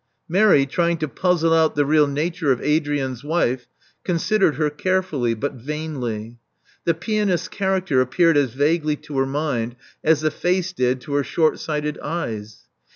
Mary, trying to puzzle out the real nature of Adrian *s wife, considered her carefully, but vainly. The pianist's character appeared as vaguely to her mind as the face did to her short sighted eyes.